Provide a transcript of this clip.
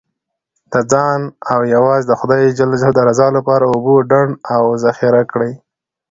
د ځان او یوازې د خدای د رضا لپاره اوبه ډنډ او ذخیره کړئ.